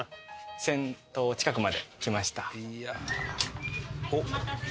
先頭近くまで来ました。